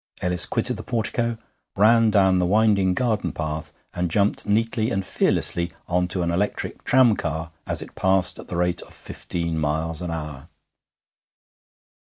Ellis quitted the portico, ran down the winding garden path, and jumped neatly and fearlessly on to an electric tramcar as it passed at the rate of fifteen miles an hour.